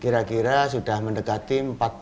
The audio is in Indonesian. kira kira sudah mendekati